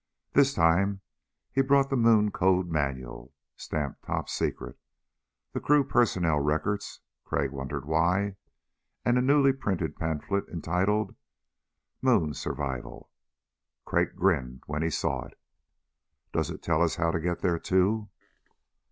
This time he brought the Moon Code Manual (stamped TOP SECRET), the crew personnel records (Crag wondered why) and a newly printed pamphlet titled "Moon Survival." Crag grinned when he saw it. "Does it tell us how to get there, too?"